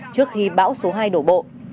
trước khi bão số hai đổ bộ